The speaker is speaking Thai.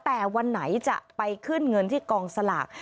แต่วันไหนจะไปขึ้นเงินที่กองสลาก